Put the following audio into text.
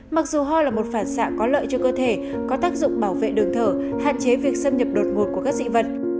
mặc dù ho là một phản xạ có lợi cho cơ thể có tác dụng bảo vệ đường thở hạn chế việc xâm nhập đột ngột của các dị vật